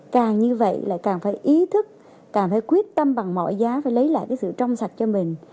càng như vậy lại càng phải ý thức càng phải quyết tâm bằng mọi giá phải lấy lại cái sự trong sạch cho mình